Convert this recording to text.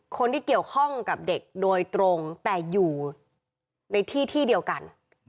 คนที่เกี่ยวข้องกับเด็กโดยตรงแต่อยู่ในที่ที่เดียวกัน